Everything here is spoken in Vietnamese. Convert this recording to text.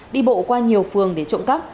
đi bộ qua nhiều phường để trộm cắp